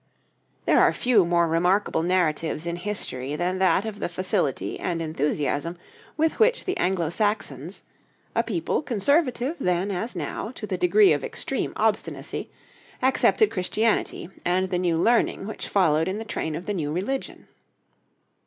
There are few more remarkable narratives in history than that of the facility and enthusiasm with which the Anglo Saxons, a people conservative then as now to the degree of extreme obstinacy, accepted Christianity and the new learning which followed in the train of the new religion.